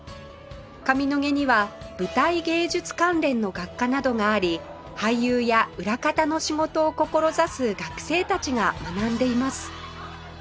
上野毛には舞台芸術関連の学科などがあり俳優や裏方の仕事を志す学生たちが学んでいます